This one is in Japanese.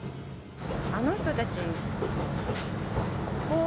あの人たちここ。